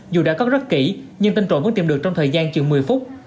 dù đã có rất kỹ nhưng tên trộm vẫn tìm được trong thời gian chừng một mươi phút